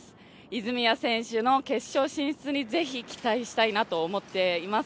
泉谷選手の決勝進出に是非期待したいなと思っています。